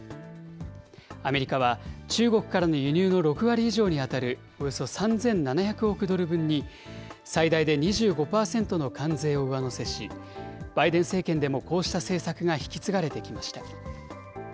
アメリカは、中国からの輸入の６割以上に当たるおよそ３７００億ドル分に、最大で２５％の関税を上乗せし、バイデン政権でもこうした政策が引き継がれてきました。